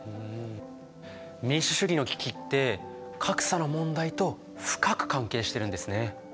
民主主義の危機って格差の問題と深く関係してるんですね。